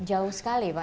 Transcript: jauh sekali pak ya